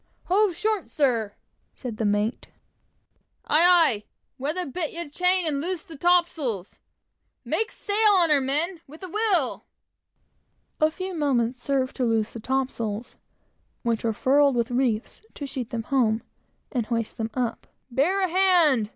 "Hove short, sir!" said the mate. "Aye, aye! Weather bit your chain and loose the topsails! Make sail on her, men with a will!" A few moments served to loose the topsails, which were furled with reefs, to sheet them home, and hoist them up. "Bear a hand!"